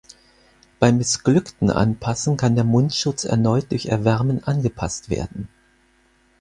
Beim missglückten Anpassen kann der Mundschutz erneut durch Erwärmen angepasst werden.